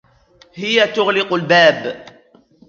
هي تغلق الباب.